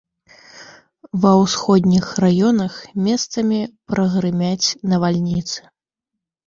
Ва ўсходніх раёнах месцамі прагрымяць навальніцы.